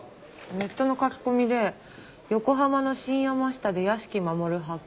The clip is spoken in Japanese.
ネットの書き込みで「横浜の新山下で屋敷マモル発見。